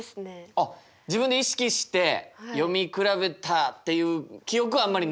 あっ自分で意識して読み比べたっていう記憶はあんまりない？